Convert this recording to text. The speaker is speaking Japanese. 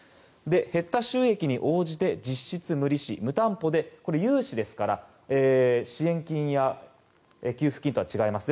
減った収益に応じて実質無利子・無担保で融資ですから支援金や給付金とは違います。